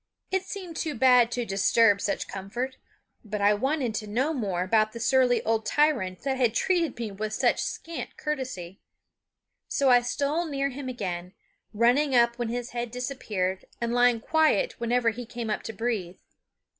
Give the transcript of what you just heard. It seemed too bad to disturb such comfort; but I wanted to know more about the surly old tyrant that had treated me with such scant courtesy; so I stole near him again, running up when his head disappeared, and lying quiet whenever he came up to breathe.